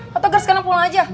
pak togar sekarang pulang aja